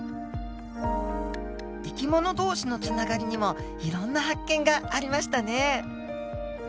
生き物同士のつながりにもいろんな発見がありましたね。